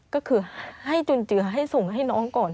ก็คือให้จุนเจือให้ส่งให้น้องก่อน